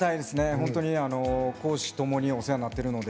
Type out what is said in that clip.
本当に公私共にお世話になってるので。